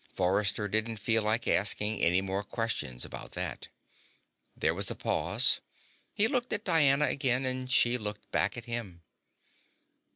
Forrester didn't feel like asking any more questions about that. There was a pause. He looked at Diana again, and she looked back at him.